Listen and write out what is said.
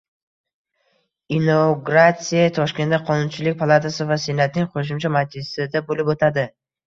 Inauguratsiya Toshkentda Qonunchilik palatasi va Senatning qo‘shma majlisida bo‘lib o‘tadi